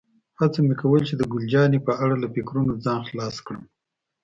هڅه مې کوله چې د ګل جانې په اړه له فکرونو ځان خلاص کړم.